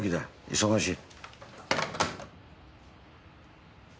忙しい。